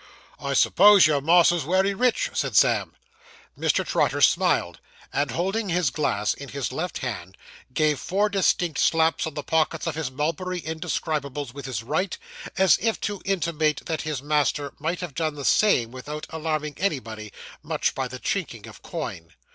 'I suppose your mas'r's wery rich?' said Sam. Mr. Trotter smiled, and holding his glass in his left hand, gave four distinct slaps on the pockets of his mulberry indescribables with his right, as if to intimate that his master might have done the same without alarming anybody much by the chinking of coin.